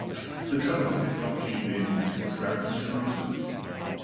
The tunnels did not cave in because the ground was frozen.